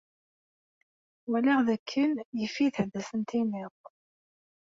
Walaɣ d akken yif-it ad asen-tiniḍ.